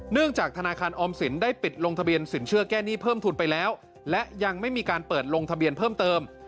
จากธนาคารออมสินได้ปิดลงทะเบียนสินเชื่อแก้หนี้เพิ่มทุนไปแล้วและยังไม่มีการเปิดลงทะเบียนเพิ่มเติม